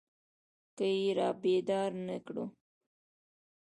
که يې رابيدارې نه کړو.